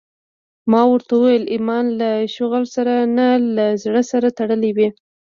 ما ورته وويل ايمان له شغل سره نه له زړه سره تړلى وي.